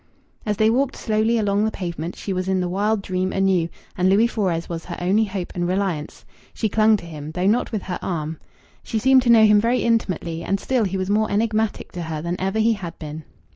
As they walked slowly along the pavement she was in the wild dream anew, and Louis Fores was her only hope and reliance. She clung to him, though not with her arm. She seemed to know him very intimately, and still he was more enigmatic to her than ever he had been.